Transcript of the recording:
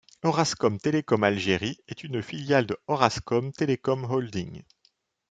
Orascom Telecom Algérie, est une filiale de Orascom Telecom Holding.